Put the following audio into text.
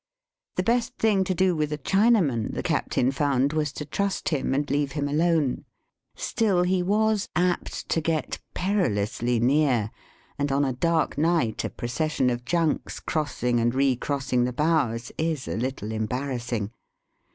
The best thing to do with a Chinaman, the captain found, was to trust him and leave him alone. Still he was apt to get perilously near and on a dark night a procession of junks crossing and re crossing the bows is a little embarrassing.